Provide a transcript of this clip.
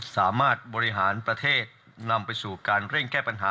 สามารถบริหารประเทศนำไปสู่การเร่งแก้ปัญหา